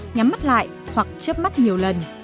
nhắm mắt lại hoặc chấp mắt nhiều lần